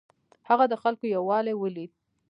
هغه د خلکو یووالی ولید.